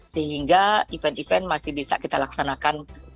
sehingga event event masih bisa kita laksanakan